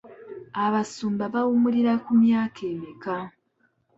Abasumba bawummulira ku myaka emeka?